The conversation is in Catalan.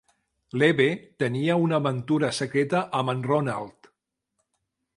L'Eve tenia una aventura secreta amb en Ronald.